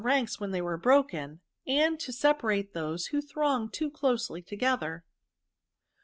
ranks when they were broken, and to se parate those who thronged too closely to gether." S86 v£aBs.